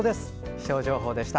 気象情報でした。